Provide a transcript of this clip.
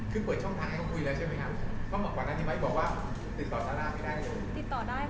คือเปิดช่องทางให้เขาคุยแล้วใช่ไหมครับเขาบอกว่านั้นที่ไมค์บอกว่าติดต่อซาร่าไม่ได้